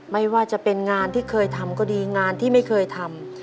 ไม่ว่าจะเป็นงานที่เคยทำก็ดีงานที่ไม่เคยทำ